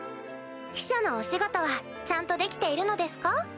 秘書のお仕事はちゃんとできているのですか？